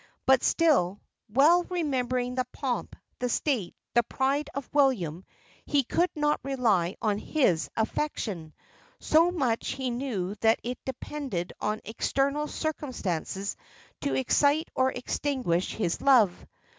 But still, well remembering the pomp, the state, the pride of William, he could not rely on his affection, so much he knew that it depended on external circumstances to excite or to extinguish his love.